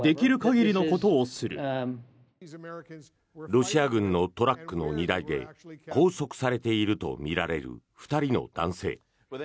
ロシア軍のトラックの荷台で拘束されているとみられる２人の男性。